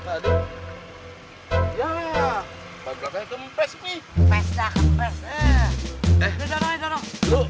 kempes dah kempes